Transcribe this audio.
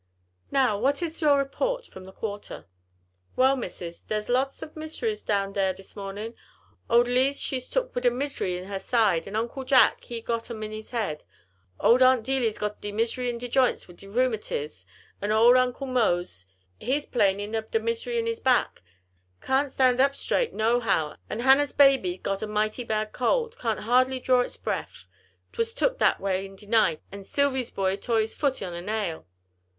Now what is your report from the quarter." "Well, missus, dere's lots ob miseries down dere dis mornin'; ole Lize she's took wid a misery in her side; an' Uncle Jack, he got um in his head; ole Aunt Delie's got de misery in de joints wid de rheumatiz, an' ole Uncle Mose he's 'plainin ob de misery in his back; can't stan' up straight no how: an' Hannah's baby got a mighty bad cold, can't hardly draw its breff; 'twas took dat way in de night; an' Silvy's boy tore his foot on a nail."